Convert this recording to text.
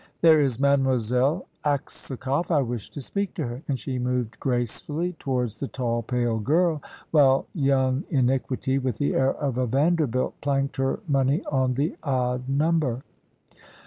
There is Mademoiselle Aksakoff, I wish to speak to her"; and she moved gracefully towards the tall, pale girl, while Young Iniquity, with the air of a Vanderbilt, planked her money on the odd number.